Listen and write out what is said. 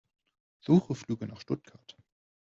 Suche Flüge nach Stuttgart.